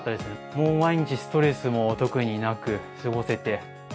もう毎日、ストレスも特になく過ごせて。